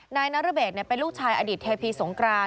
นายนารุเบกเนี่ยเป็นลูกชายอดีตเทพีสงคราน